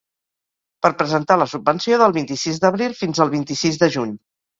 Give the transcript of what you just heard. Per presentar la subvenció del vint-i-sis d'abril fins al vint-i-sis de juny.